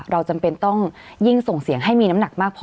จำเป็นต้องยิ่งส่งเสียงให้มีน้ำหนักมากพอ